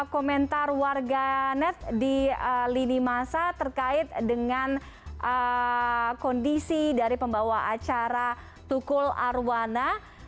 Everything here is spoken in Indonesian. komentar warga net di lini masa terkait dengan kondisi dari pembawa acara tukul arwana